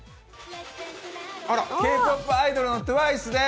Ｋ−ＰＯＰアイドルのＴＷＩＣＥです。